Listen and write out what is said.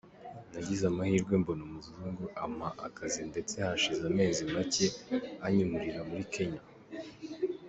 Nagize amahirwe mbona umuzungu ampa akazi ndetse hashize amezi make anyimurira muri Kenya.